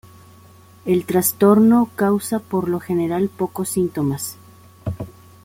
El trastorno causa por lo general pocos síntomas.